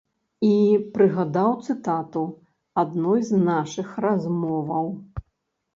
І прыгадаў цытату адной з нашых размоваў.